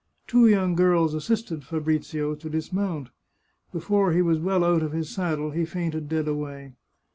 Two young girls assisted Fa brizio to dismount. Before he was well out of his saddle he fainted dead away.